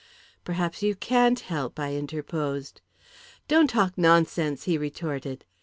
"Perhaps you can't help," I interposed. "Don't talk nonsense!" he retorted.